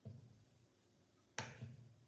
We are moving like the army on the creep.